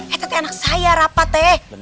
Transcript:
eh tete anak saya rapat teh